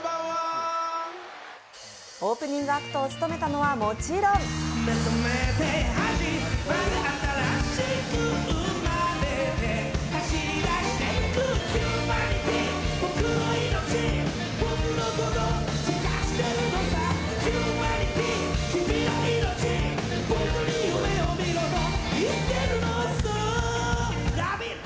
オープニングアクトを務めたのはもちろんＬＯＶＥＩＴ！